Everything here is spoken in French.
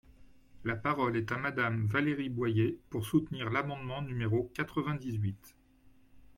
La parole est à Madame Valérie Boyer, pour soutenir l’amendement numéro quatre-vingt-dix-huit.